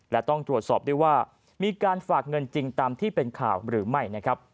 และต้องตรวจสอบด้วยว่ามีการฝากเงินจริงตามที่เป็นข่าวหรือไม่นะครับ